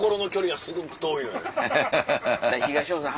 東野さん